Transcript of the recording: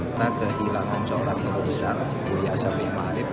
kita kehilangan seorang orang besar buya safi'i ma'arif